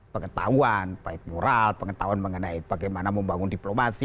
pengetahuan baik moral pengetahuan mengenai bagaimana membangun diplomasi